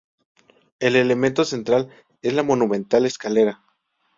El elemento central es la monumental escalera.